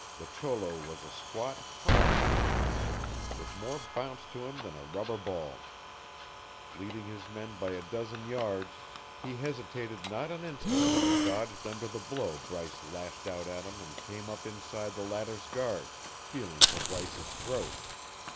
The cholo was a squat, powerful little man, with more bounce to him than a rubber ball; leading his men by a dozen yards, he hesitated not an instant but dodged under the blow Bryce lashed out at him and came up inside the latter's guard, feeling for Bryce's throat.